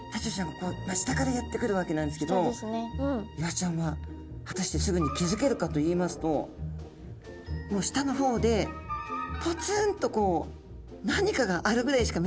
ここ下からやって来るわけなんですけどイワシちゃんは果たしてすぐに気付けるかといいますともう下の方でぽつんとこう何かがあるぐらいしか見えないと思うんですね。